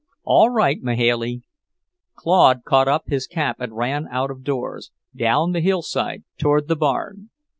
"All right, Mahailey." Claude caught up his cap and ran out of doors, down the hillside toward the barn.